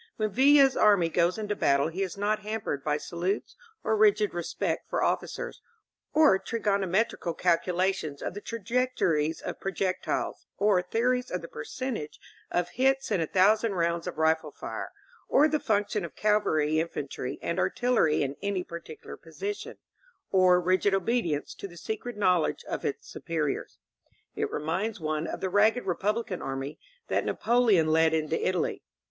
When Villa's army goes into battle he is not hampered by salutes, or rigid respect for officers, or trigonometrical calculations of the trajectories of pro jectiles, or theories of the percentage of hits in a thou sand rounds of rifle fire, or the function of cavalry, in fantry «nd artillery in any particular position, or rigid obedience to the secret knowledge of its superiors. 140 THE RULES OF WAR It reminds one of the ragged Republican army that Napoleon led into Italy.